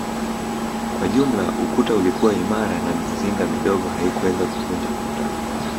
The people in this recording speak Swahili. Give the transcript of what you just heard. Kwa jumla ukuta ulikuwa imara na mizinga midogo haikuweza kuvunja kuta